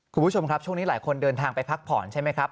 คุณผู้ชมครับช่วงนี้หลายคนเดินทางไปพักผ่อนใช่ไหมครับ